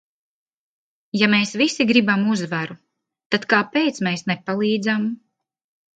Ja mēs visi gribam uzvaru, tad kāpēc mēs nepalīdzam?